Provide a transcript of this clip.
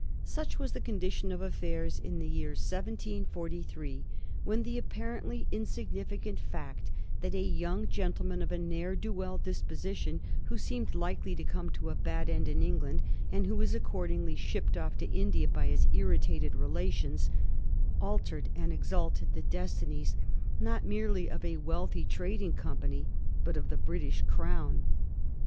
Such was the condition of affairs in the year 1743, when the apparently insignificant fact that a young gen tleman of a ne'er do well disposition, who seemed likely to come to a bad end in England, and who was according ly shipped off to India by his irritated relations, altered and exalted the destinies not merely of a wealthy trading company, but of the British Crown.